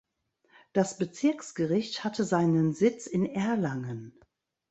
Das Bezirksgericht hatte seinen Sitz in Erlangen.